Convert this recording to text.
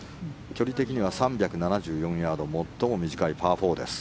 距離的には３７４ヤード最も短いパー４です。